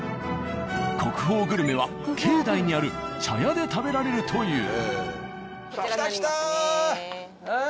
国宝グルメは境内にある茶屋で食べられるという。